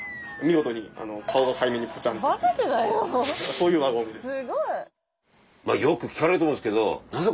そういう輪ゴムです。